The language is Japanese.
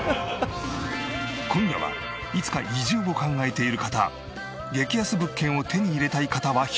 今夜はいつか移住を考えている方激安物件を手に入れたい方は必見。